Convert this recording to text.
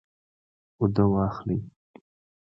اوده واخلئ